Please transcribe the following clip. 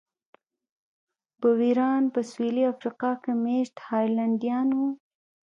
بویران په سوېلي افریقا کې مېشت هالنډیان وو.